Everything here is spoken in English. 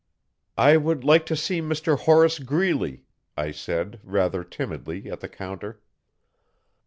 'I would like to see Mr Horace Greeley,' I said, rather timidly, at the counter.